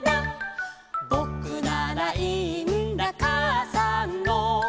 「ぼくならいいんだかあさんの」